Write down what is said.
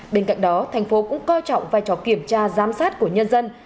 bên cạnh đó thành phố cũng coi trọng vai trò kiểm tra giám sát của nhân dân